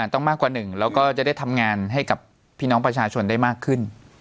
ต้องมากกว่าหนึ่งแล้วก็จะได้ทำงานให้กับพี่น้องประชาชนได้มากขึ้น